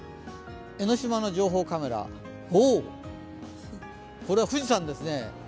江の島の情報カメラ、おお、これは富士山ですね。